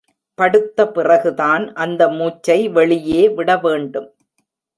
படுத்த பிறகு தான் அந்த மூச்சை வெளியே விட வேண்டும்.